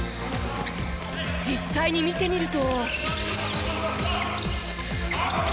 実際に見てみると。